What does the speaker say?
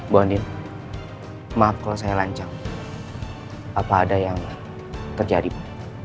bu andil maaf kalau saya lancang apa ada yang terjadi bu